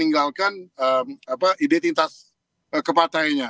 meninggalkan ide tintas kepatahannya